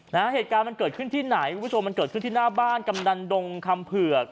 เหตุการณ์มันเกิดขึ้นที่ไหนคุณผู้ชมมันเกิดขึ้นที่หน้าบ้านกำนันดงคำเผือก